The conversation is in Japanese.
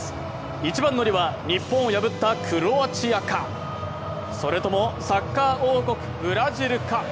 一番乗りは日本を破ったクロアチアかそれともサッカー王国ブラジルか。